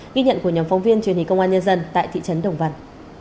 ghi nhận của nhóm phóng viên truyền hình công an nhân dân tại thị trấn đồng văn